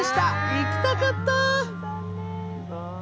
行きたかった！